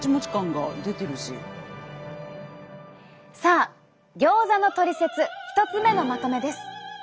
さあギョーザのトリセツ１つ目のまとめです。